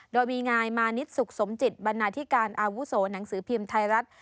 โดยมีนายมานิดสุขสมจิตบรรณาธิการอาวุโสหนังสือพิมพ์ไทยรัฐ